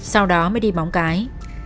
sau đó mới đi bóng cái